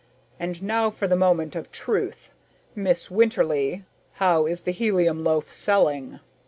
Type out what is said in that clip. "And now for the Moment of Truth. Miss Winterly, how is the helium loaf selling?"